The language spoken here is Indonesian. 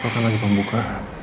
makan lagi pembuka